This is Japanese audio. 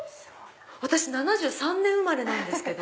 私７３年生まれなんですけど。